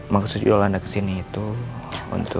maksudnya yolanda kesini itu untuk